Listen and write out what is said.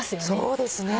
そうですね。